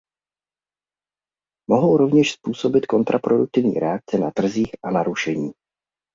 Mohou rovněž způsobit kontraproduktivní reakce na trzích a narušení.